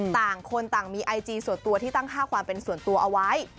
ต่างคนต่างมีไอจีส่วนตัวที่ตั้งค่าความเป็นส่วนตัวเอาไว้